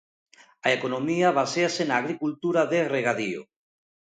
A economía baséase na agricultura de regadío.